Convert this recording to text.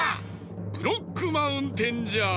ブロックマウンテンじゃ！